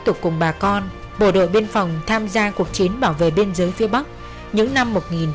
tục cùng bà con bộ đội biên phòng tham gia cuộc chiến bảo vệ biên giới phía bắc những năm một nghìn chín trăm bảy mươi